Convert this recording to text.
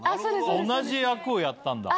同じ役をやったんだ。